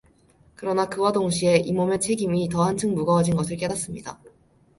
그러나 그와 동시에 이 몸의 책임이 더한층 무거워진 것을 깨닫습니다.